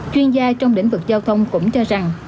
chuyên gia trong lĩnh vực giao thông cũng cho rằng